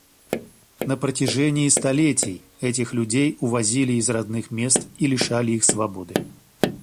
На протяжении столетий этих людей увозили из родных мест и лишали их свободы.